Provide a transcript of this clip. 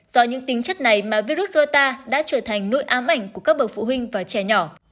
do những tính chất này mà virus rota đã trở thành nội ám ảnh của các bậc phụ huynh và trẻ nhỏ